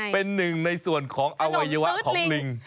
เป็นหนึ่งในส่วนของอวัยวะของลิง